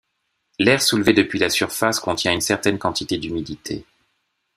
L'air soulevé depuis la surface contient une certaine quantité d'humidité.